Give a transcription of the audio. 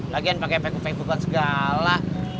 lagian pake facebook an segala